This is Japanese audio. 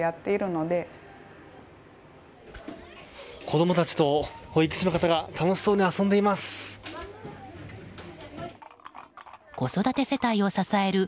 子供たちと保育士の方が楽しそうに遊んでいます。